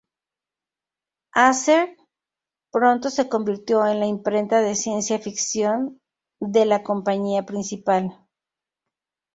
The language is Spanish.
Ace pronto se convirtió en la imprenta de ciencia ficción de la compañía principal.